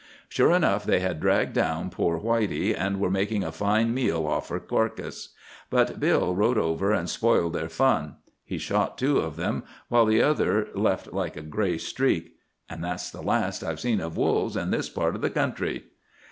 "Sure enough, they had dragged down poor Whitey and were making a fine meal off her carcass. But Bill rode over and spoiled their fun. He shot two of them, while the other left like a gray streak. And that's the last I've seen of wolves in this part of the country!"